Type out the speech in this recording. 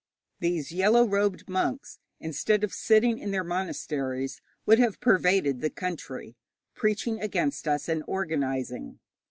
These yellow robed monks, instead of sitting in their monasteries, would have pervaded the country, preaching against us and organizing.